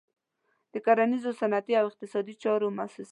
د کرنیزو، صنعتي او اقتصادي چارو موسسې.